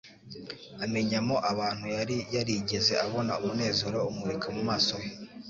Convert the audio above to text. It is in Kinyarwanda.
amenyamo abantu yari yarigeze abona, umunezero umurika mu maso he.